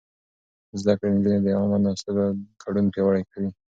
زده کړې نجونې د عامه ناستو ګډون پياوړی کوي.